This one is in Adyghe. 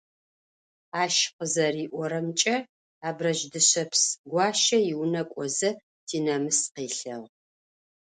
Ащ къызэриӏорэмкӏэ, Абрэдж Дышъэпс-Гуащэ иунэ кӏозэ Тинэмыс къелъэгъу.